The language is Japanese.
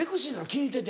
聞いてて。